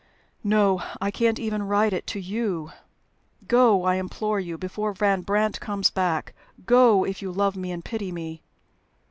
"No, I can't even write it to you. Go, I implore you, before Van Brandt comes back. Go, if you love me and pity me."